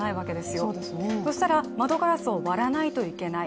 よそしたら窓ガラスを割らないといけない。